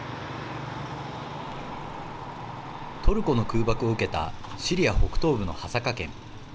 トルコの空爆を受けたシリア北東部のハサカ県。